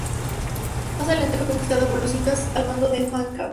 Más adelante fue conquistada por los incas al mando de Huayna Cápac.